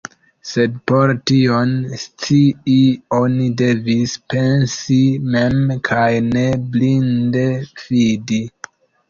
Sed por tion scii, oni devis pensi mem, kaj ne blinde fidi.